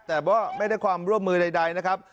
แต่ก็ไม่ได้ความร่วมมือใดนะครับ